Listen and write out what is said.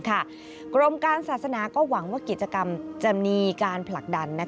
กรมการศาสนาก็หวังว่ากิจกรรมจะมีการผลักดัน